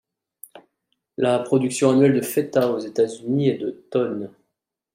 La production annuelle de Feta aux États-Unis est de tonnes.